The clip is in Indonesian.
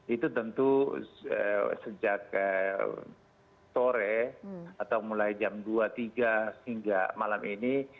itu tentu sejak sore atau mulai jam dua tiga hingga malam ini